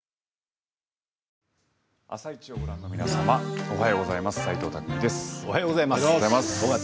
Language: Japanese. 「あさイチ」をご覧の皆様おはようございます。